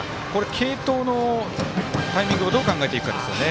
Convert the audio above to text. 継投のタイミングどう考えていくかですよね。